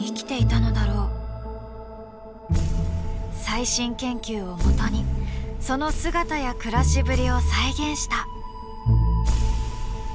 最新研究をもとにその姿や暮らしぶりを再現した。